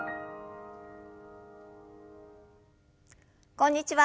こんにちは。